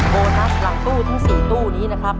โบนัสหลังตู้ทั้ง๔ตู้นี้นะครับ